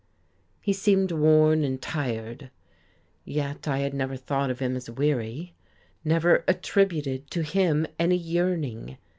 He seemed worn and tired, yet I had never thought of him as weary, never attributed to him any yearning.